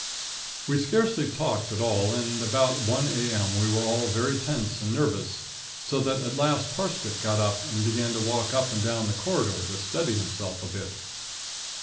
"We scarcely talked at all and by about one a.m. we were all very tense and nervous so that at last Parsket got up and began to walk up and down the corridor to steady himself a bit.